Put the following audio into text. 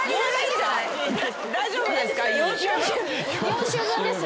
４週分です。